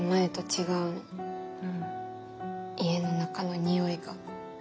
家の中のにおいが。